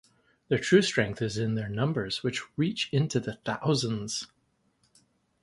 Their true strength is in their numbers, which reach into the thousands.